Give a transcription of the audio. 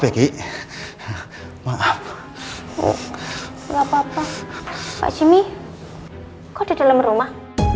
pak cimi kok di dalam rumah